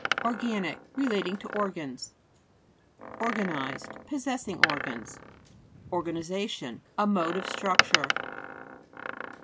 ORGA'XIC Relating to organs. ORGANIZED Possessing organs. ORGAifizA'Tioir A mode of struc ture.